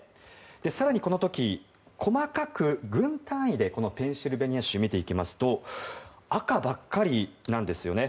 更にこの時、細かく郡単位でペンシルベニア州を見ていきますと赤ばっかりなんですね。